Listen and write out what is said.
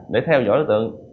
để theo dõi đối tượng